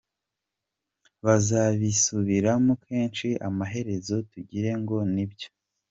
Bazabisubiramo kenshi amaherezo tugire ngo ni byo.